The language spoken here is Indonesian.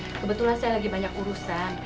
kebetulan saya lagi banyak urusan